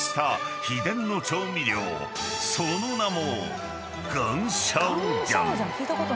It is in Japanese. ［その名も］